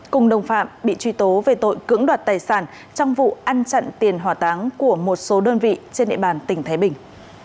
cùng đồng phạm bị truy tố về tội cưỡng đoạt tài sản trong vụ ăn chặn tiền hỏa táng của một số đơn vị trên địa bàn tỉnh thái bình